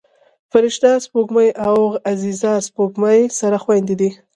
فرشته سپوږمۍ او عزیزه سپوږمۍ سره خویندې دي